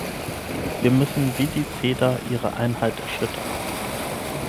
Wir müssen wie die Zeder ihre Einheit erschüttern".